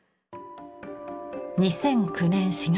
２００９年４月。